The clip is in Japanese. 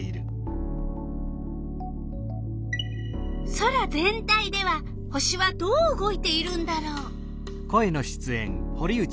空全体では星はどう動いているんだろう？